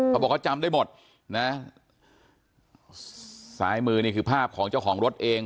เขาบอกเขาจำได้หมดนะซ้ายมือนี่คือภาพของเจ้าของรถเอง